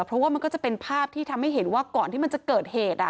เพราะว่ามันก็จะเป็นภาพที่ทำให้เห็นว่าก่อนที่มันจะเกิดเหตุ